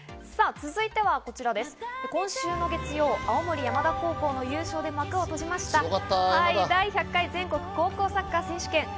続いては今週月曜、青森山田高校の優勝で幕を閉じた第１００回全国高校サッカー選手権。